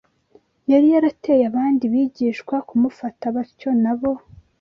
yari yarateye abandi bigishwa kumufata batyo nabo